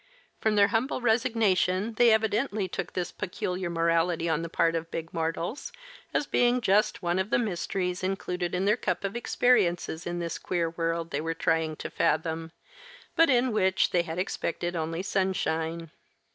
From their humble resignation they evidently took this peculiar morality on the part of big mortals as being just one of the mysteries included in their cup of experiences in this queer world they were trying to fathom, but in which they had expected only sunshine.